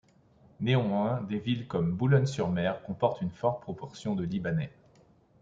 Néanmoins, des villes comme Boulogne-sur-Mer comportent une forte proportion de Libanais.